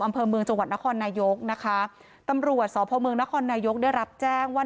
อำเภอเมืองจังหวัดนครนายกนะคะตำรวจสพเมืองนครนายกได้รับแจ้งว่า